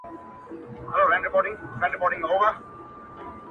ولي مي هره شېبه هر ساعت پر اور کړوې;